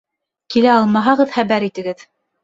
Килә алмаһағыҙ, хәбәр итегеҙ.